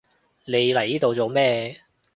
你嚟呢度做咩？